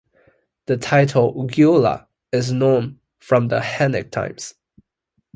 The title "Gyula" is known from the Hunnic times.